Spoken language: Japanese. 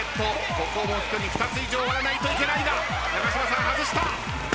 ここも一人２つ以上割らないといけないが永島さん外した。